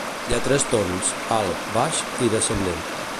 Hi ha tres tons: alt, baix i descendent.